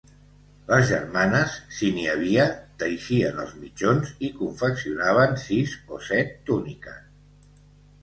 Les germanes, si n'hi havia, teixien els mitjons i confeccionaven sis o set túniques.